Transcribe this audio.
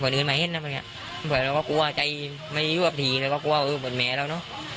ก่อนอื่นไม่เห็นแล้วก็กลัวใจไม่ยุบทีแล้วก็กลัวว่าเมียแล้วเนาะ